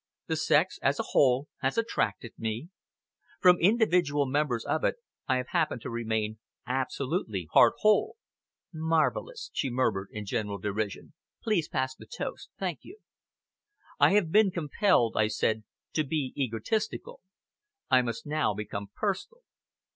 The sex, as a whole, has attracted me. From individual members of it I have happened to remain absolutely heart whole." "Marvellous," she murmured in gentle derision. "Please pass the toast. Thank you!" "I have been compelled," I said, "to be egotistical. I must now become personal.